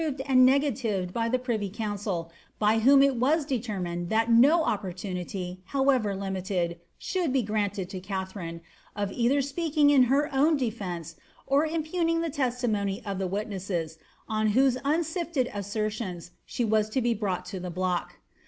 ed and negatived by the privy council,' by whom it was determined that no opportunity, however limited, should be granted to Katharine, of either speaking in her own defence, or impugning the testimony of the witnesses, on whose unslfVed assertions she was to be brought to the block.